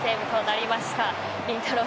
りんたろー。